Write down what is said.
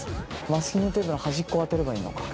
マスキングテープの端っこをあてればいいのか。